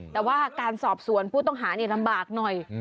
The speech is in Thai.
แต่ว่าการสอบสวนผู้ต้องหาลำบากหน่อย